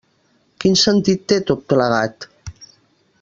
Quin sentit té tot plegat?